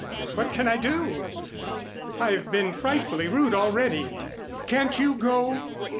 "What can I do? I've been frightfully rude already. Can't you go?"